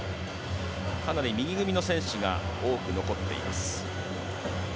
かなり右組みの選手が多く残っています。